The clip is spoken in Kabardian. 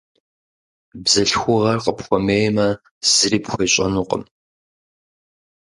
Бзылъхугъэр къыпхуэмеймэ, зыри пхуещӏэнукъым.